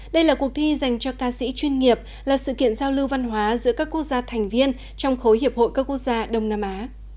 đây là cuộc thi dành cho ca sĩ chuyên nghiệp là sự kiện giao lưu văn hóa giữa các quốc gia thành viên trong khối hiệp hội các quốc gia đông nam á